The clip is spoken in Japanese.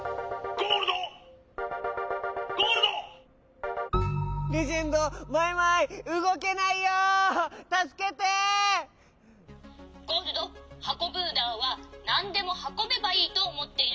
「ゴールドはこぶーダーはなんでもはこべばいいとおもっているの」。